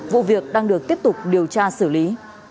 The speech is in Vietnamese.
vụ việc đang được tiếp tục điều tra xử lý